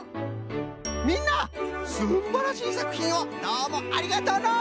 みんなすんばらしいさくひんをどうもありがとうの！